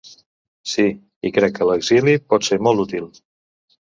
Sí, i crec que l’exili pot ser molt útil.